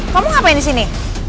kamu ngapain disini